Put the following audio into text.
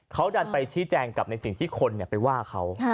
เขาดันไปชี้แจงกับในสิ่งที่คนไปว่าเขา